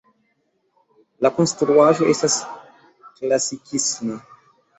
La konstruaĵo estas klasikisma.